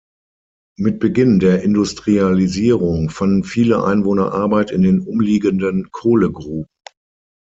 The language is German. Mit Beginn der Industrialisierung fanden viele Einwohner Arbeit in den umliegenden Kohlegruben.